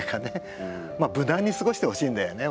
まあ無難に過ごしてほしいんだよね